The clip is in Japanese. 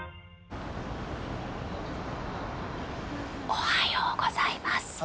「おはようございます。